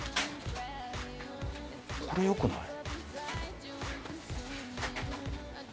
これよくない？